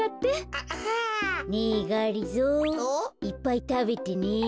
いっぱいたべてね。